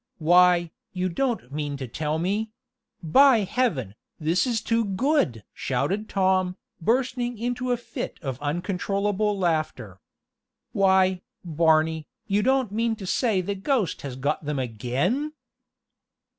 "Why, you don't mean to tell me By Heaven, this is too good!" shouted Tom, bursting into a fit of uncontrollable laughter. "Why, Barney, you don't mean to say the ghost has got them again?"